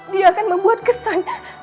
dia akan membuat kesan